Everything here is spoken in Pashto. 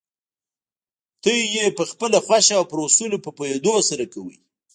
تاسې يې پخپله خوښه او پر اصولو په پوهېدو سره کوئ.